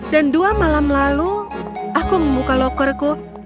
dan dua malam lalu aku membuka lockerku